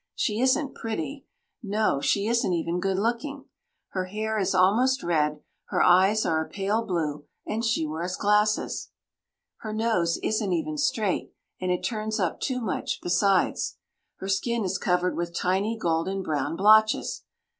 She isn't pretty no, she isn't even good looking. Her hair is almost red, her eyes are a pale blue, and she wears glasses. Her nose isn't even straight, and it turns up too much besides. Her skin is covered with tiny golden brown blotches.